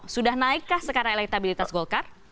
sudah naikkah sekarang elektabilitas golkar